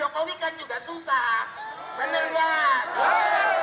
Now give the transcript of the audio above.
kami juga suka menelan